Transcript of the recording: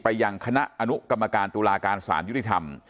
ยังคณะอนุกรรมการตุลาการสารยุติธรรม